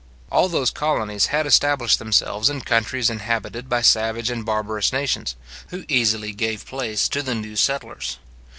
All those colonies had established themselves in countries inhabited by savage and barbarous nations, who easily gave place to the new settlers.